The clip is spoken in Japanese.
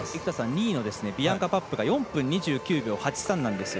２位のビアンカ・パップが４分２９秒８３なんですよ。